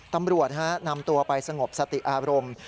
ตำรวจนำตัวไปสงบสติอารมณ์